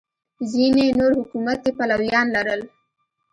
ځینې نور حکومت کې پلویان لرل